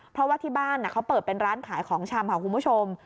เพราะว่าที่บ้านเขาเปิดเป็นร้านขายของชำค่ะคุณผู้ชม